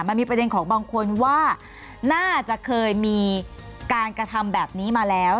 มันมีประเด็นของบางคนว่าน่าจะเคยมีการกระทำแบบนี้มาแล้ว